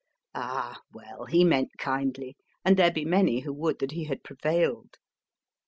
Ah ! well, he meant kindly, and there be many who would that he had prevailed.